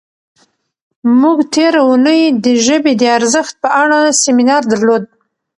موږ تېره اونۍ د ژبې د ارزښت په اړه سیمینار درلود.